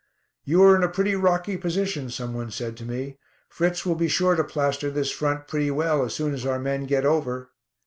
"You are in a pretty rocky position," some one said to me. "Fritz will be sure to plaster this front pretty well as soon as our men 'get over.'"